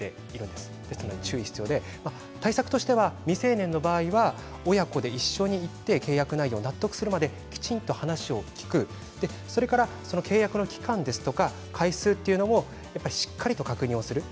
ですから注意が必要で対策としては未成年の場合は親子で一緒に行って契約内容を納得するまで話を聞くそれから契約の期間や回数もしっかりと確認をする。